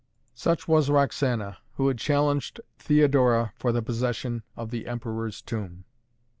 Such was Roxana, who had challenged Theodora for the possession of the Emperor's Tomb.